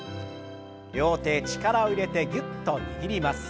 両手力を入れてぎゅっと握ります。